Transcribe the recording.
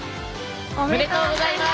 おめでとうございます！